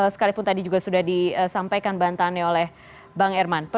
sekalipun tadi juga sudah disampaikan bantahannya oleh bang herman